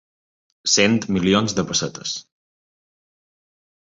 Cent milions de pessetes.